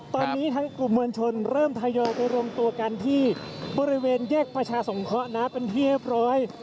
ตอนนี้ทางกลุ่มมวลชนเริ่มทยอยไปรวมตัวกันที่บริเวณแยกประชาสงเคราะห์นะเป็นที่เรียบร้อย